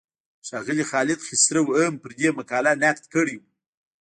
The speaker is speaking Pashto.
ښاغلي خالد خسرو هم پر دې مقاله نقد کړی و.